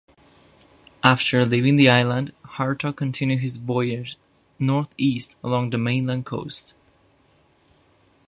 After leaving the island, Hartog continued his voyage north-east along the mainland coast.